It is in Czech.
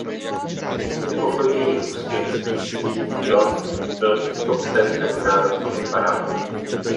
Mimoto jejich úspěch s písní "New Dawn" byl i v Top Ten mezinárodní hitparády.